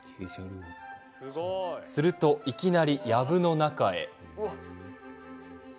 すると、いきなりやぶの中へ。